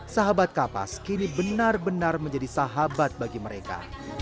sahabat kapas kini benar benar menjadi sahabat bagi mereka